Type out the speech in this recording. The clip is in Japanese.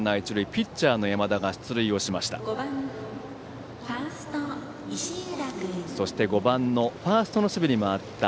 ピッチャーの山田が出塁しました。